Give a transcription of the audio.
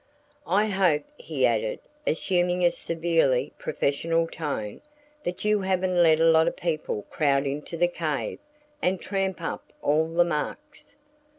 "I hope," he added, assuming a severely professional tone, "that you haven't let a lot of people crowd into the cave and tramp up all the marks."